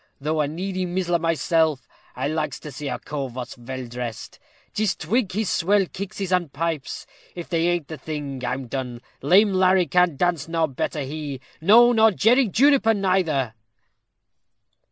"Though a needy mizzler mysel, I likes to see a cove vot's vel dressed. Jist twig his swell kickseys and pipes; if they ain't the thing, I'm done. Lame Harry can't dance better nor he no, nor Jerry Juniper neither."